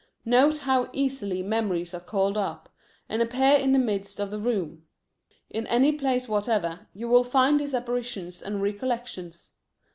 Note how easily memories are called up, and appear in the midst of the room. In any plays whatever, you will find these apparitions and recollections.